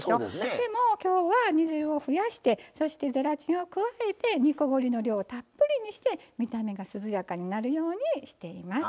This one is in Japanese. でもきょうは煮汁を増やしてそしてゼラチンを加えて煮こごりの量をたっぷりにして見た目が涼やかになるようにしています。